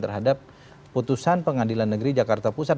terhadap putusan pengadilan negeri jakarta pusat